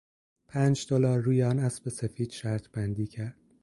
پنج دلار روی آن اسب سفید شرط بندی کرد.